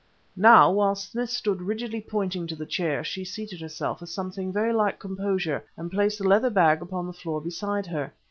Now, whilst Smith stood rigidly pointing to the chair, she seated herself with something very like composure and placed the leather bag upon the floor beside her.